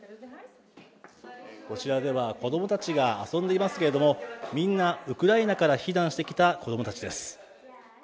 こちらでは子どもたちが遊んでいますけれどもみんなウクライナから避難してきた子どもたちです